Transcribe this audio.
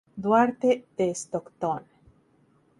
Duarte de Stockton